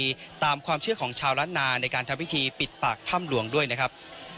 ตามความเชื่อของชาวล้านนาในการทำพิธีปิดปากถ้ำหลวงด้วยนะครับ